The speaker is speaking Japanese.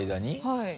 はい。